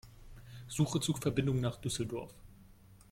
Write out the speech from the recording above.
Suche Zugverbindungen nach Düsseldorf.